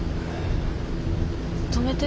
止めて。